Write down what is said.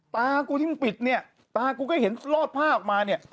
ตากูที่มึงปิดเนี่ยตากูก็เห็นลอดผ้าออกมาเนี่ย